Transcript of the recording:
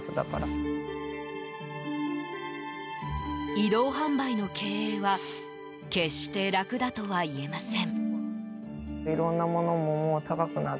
移動販売の経営は決して楽だとはいえません。